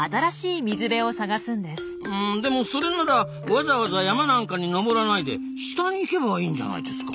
うんでもそれならわざわざ山なんかに登らないで下に行けばいいんじゃないですか？